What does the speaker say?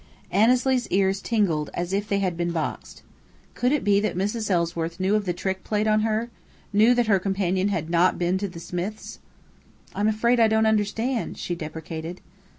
Annesley's ears tingled as if they had been boxed. Could it be that Mrs. Ellsworth knew of the trick played on her knew that her companion had not been to the Smiths'? "I'm afraid I don't understand," she deprecated.